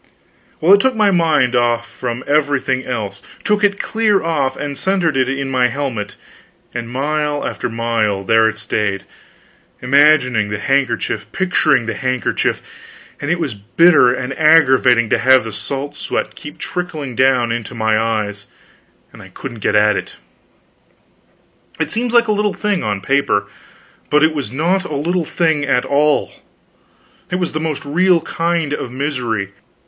Well, it took my mind off from everything else; took it clear off, and centered it in my helmet; and mile after mile, there it stayed, imagining the handkerchief, picturing the handkerchief; and it was bitter and aggravating to have the salt sweat keep trickling down into my eyes, and I couldn't get at it. It seems like a little thing, on paper, but it was not a little thing at all; it was the most real kind of misery.